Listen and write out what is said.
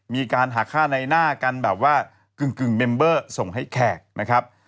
มีการหาค่าในหน้ากันแบบว่ากึ่งเมมเบอร์ส่งให้แขกนะครับ